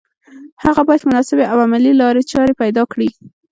هغه بايد مناسبې او عملي لارې چارې پيدا کړي.